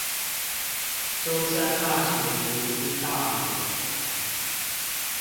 中山大學圖資大樓